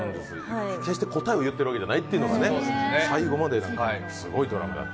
決して答えを言ってるわけじゃないというのが、最後まですごいドラマ。